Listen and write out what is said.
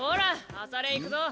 朝練行くぞ。